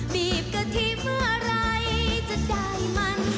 บีบกะทิเมื่อไหร่จะได้มัน